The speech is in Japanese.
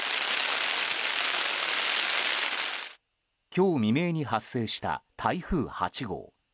今日未明に発生した台風８号。